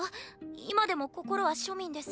今でも心は庶民です。